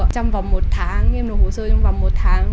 trong vòng một tháng em nộp hồ sơ trong vòng một tháng